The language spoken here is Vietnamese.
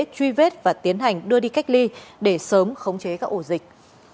truy vết và tiến hành đưa đi cách ly để sớm khống chế các ổ dịch